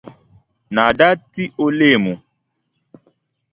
Naa daa ti o leemu.